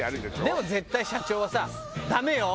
でも絶対社長はさ「ダメよ！